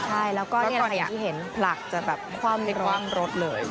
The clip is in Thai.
ใช่แล้วก็อย่างที่เห็นผลักจะแบบคว่ำรถเลย